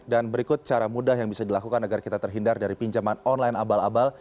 dan berikut cara mudah yang bisa dilakukan agar kita terhindar dari pinjaman online abal abal